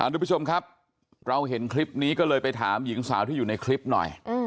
ทุกผู้ชมครับเราเห็นคลิปนี้ก็เลยไปถามหญิงสาวที่อยู่ในคลิปหน่อย